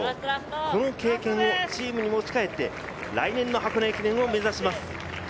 この経験をチームに持ち帰って、来年は箱根駅伝を目指します。